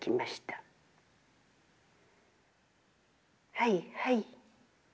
『はいはい』